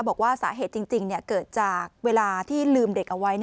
บอกว่าสาเหตุจริงเกิดจากเวลาที่ลืมเด็กเอาไว้